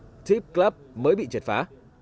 rigvip club mới bị trệt phá